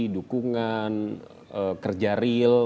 dukungan kerja real